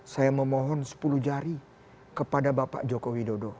saya memohon sepuluh jari kepada bapak joko widodo